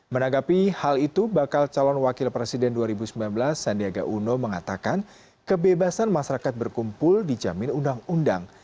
menanggapi hal itu bakal calon wakil presiden dua ribu sembilan belas sandiaga uno mengatakan kebebasan masyarakat berkumpul dijamin undang undang